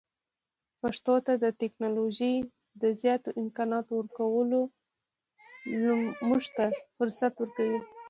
پښتو ته د ټکنالوژۍ د زیاتو امکاناتو ورکول موږ ته فرصت ورکوي.